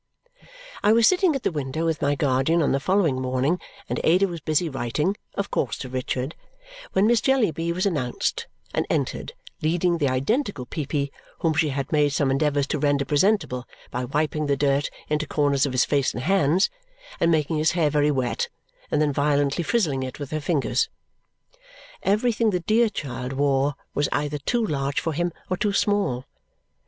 I was sitting at the window with my guardian on the following morning, and Ada was busy writing of course to Richard when Miss Jellyby was announced, and entered, leading the identical Peepy, whom she had made some endeavours to render presentable by wiping the dirt into corners of his face and hands and making his hair very wet and then violently frizzling it with her fingers. Everything the dear child wore was either too large for him or too small.